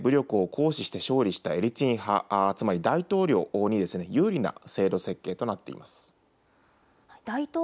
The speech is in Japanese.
これに武力を行使して勝利したエリツィン派、つまり大統領に有利な制度設計となっています。